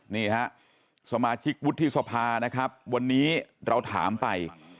นี่ฮะสมาชิกวุฒิสภานะครับวันนี้เราถามไป